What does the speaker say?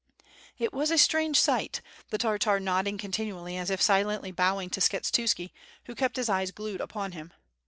It was a strange sight, the Tartar nodding con tinually as if silently bowing to Skshetuski, who kept his eyes glued upon him.